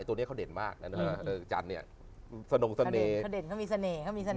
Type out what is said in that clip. ตัวนี้เขาเด่นมากนะฮะจันทร์เนี่ยสนุกเสน่ห์เขาเด่นเขามีเสน่ห์เขามีเสน่